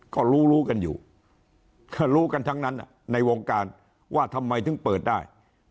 ก็รู้รู้กันอยู่ก็รู้กันทั้งนั้นในวงการว่าทำไมถึงเปิดได้